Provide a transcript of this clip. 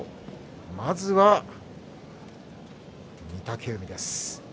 まずは御嶽海です。